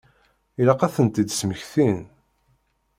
Ilaq ad tent-id-smektin.